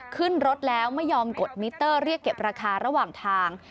ขึ้นรถแล้วไม่ยอมกดมิเตอร์เรียกเก็บราคาระหว่างทาง